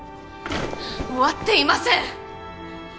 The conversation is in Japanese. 終わっていません！